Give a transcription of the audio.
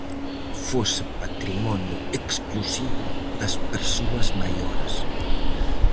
Fose patrimonio exclusivo das persoas maiores.